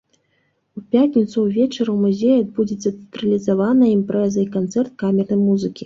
У пятніцу ўвечары ў музеі адбудзецца тэатралізаваная імпрэза і канцэрт камернай музыкі.